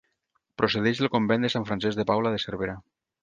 Procedeix del convent de Sant Francesc de Paula de Cervera.